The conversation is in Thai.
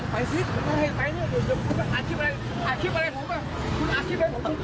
ไปสิอาทิตย์อะไรของผม